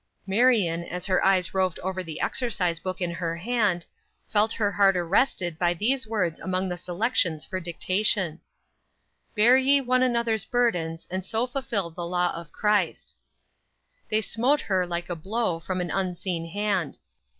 Marion, as her eyes roved over the exercise book in her hand, felt her heart arrested by these words among the selections for dictation: "Bear ye one another's burdens, and so fulfill the law of Christ." They smote her like a blow from an unseen hand.